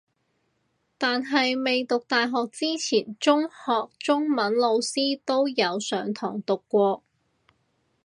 但係未讀大學之前中學中文老師都有上堂讀過